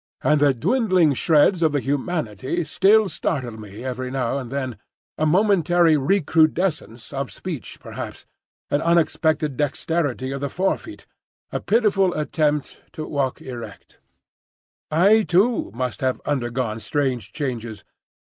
And the dwindling shreds of the humanity still startled me every now and then,—a momentary recrudescence of speech perhaps, an unexpected dexterity of the fore feet, a pitiful attempt to walk erect. I too must have undergone strange changes.